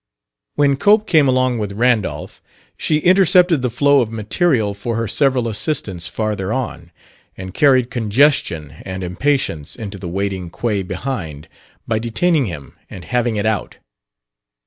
When Cope came along with Randolph, she intercepted the flow of material for her several assistants farther on, and carried congestion and impatience into the waiting queue behind by detaining him and "having it out."